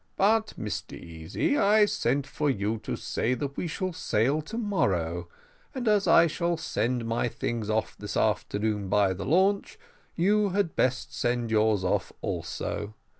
But, Mr Easy, I sent for you to say that we shall sail to morrow: and, as I shall send my things off this afternoon by the launch, you had better send yours off also.